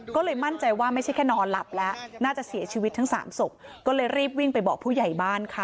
ก็เลยมั่นใจว่าไม่ใช่แค่นอนหลับแล้วน่าจะเสียชีวิตทั้งสามศพก็เลยรีบวิ่งไปบอกผู้ใหญ่บ้านค่ะ